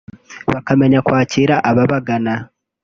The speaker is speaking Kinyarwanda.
bakamenya kwakira ababagana